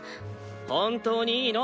本当にいいの？